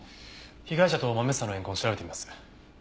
被害者とまめ房の怨恨を調べてみます。